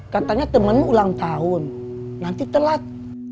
katanya temen ulang tahun nanti telat